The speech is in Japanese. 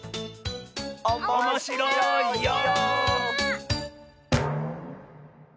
おもしろいよ！